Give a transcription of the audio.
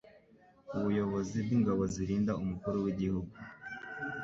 ku buyobozi bw'ingabo zirinda umukuru w'igihugu